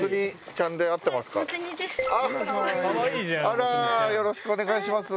あらよろしくお願いします。